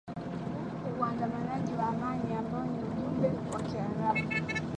waandamanaji wa amani ambao ni ujumbe wa kiarabu